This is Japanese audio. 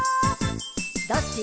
「どっち？」